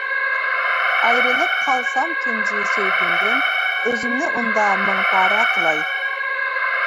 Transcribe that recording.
ئايرىلىپ قالسام تۇنجى سۆيگۈمدىن، ئۆزۈمنى ئۇندا مىڭ پارە قىلاي.